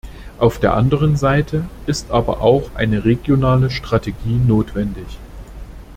Auf der anderen Seite ist aber auch eine regionale Strategie notwendig.